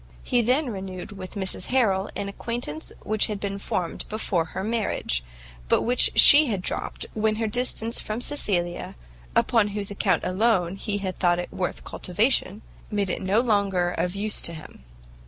He then renewed with Mrs Harrel an acquaintance which had been formed before her marriage, but which [he] had dropt when her distance from Cecilia, upon whose account alone he had thought it worth cultivation, made it no longer of use to him.